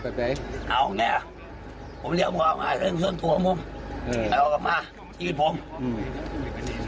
ว่าตัวเองเนี่ยฆ่าพ่อฆ่าแม่แล้วเพื่อตัวเองจะได้ปลอดภัยจากการถูกฆ่า